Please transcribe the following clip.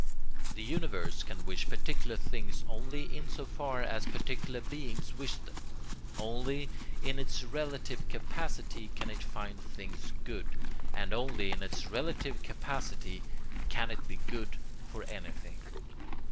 The universe can wish particular things only in so far as particular beings wish them; only in its relative capacity can it find things good, and only in its relative capacity can it be good for anything.